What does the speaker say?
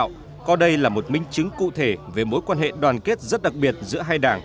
báo nhân dân có đây là một minh chứng cụ thể về mối quan hệ đoàn kết rất đặc biệt giữa hai đảng